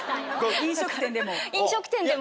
飲食店でも？